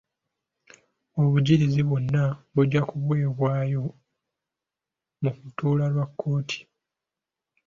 Obujulizi bwonna bujja kuweebwayo mu lutuula lwa kkooti.